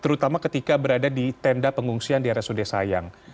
terutama ketika berada di tenda pengungsian di rsud sayang